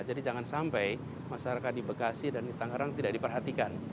jadi jangan sampai masyarakat di bekasi dan di tangerang tidak diperhatikan